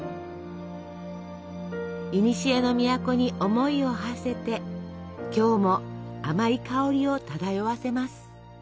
いにしえの都に思いをはせて今日も甘い香りを漂わせます。